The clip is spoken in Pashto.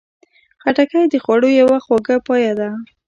خټکی د خوړو یوه خواږه پایه ده.